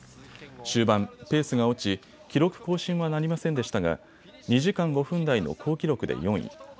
終盤ペースが落ち記録更新はなりませんでしたが２時間５分台の好記録で４位。